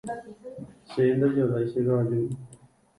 Che ndajorái che kavaju.